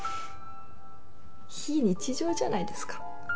非日常じゃないですか。